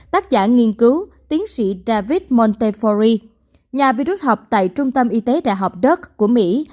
tác giả nghiên cứu tiến sĩ david montefiore nhà vi rút học tại trung tâm y tế đại học dirk của mỹ